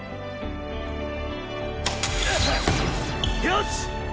よし！